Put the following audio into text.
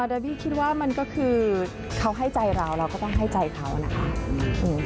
โดยพี่คิดว่ามันก็คือเขาให้ใจเราเราก็ต้องให้ใจเขานะคะ